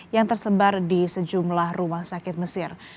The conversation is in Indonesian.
yang tersebar di sejumlah rumah sakit mesir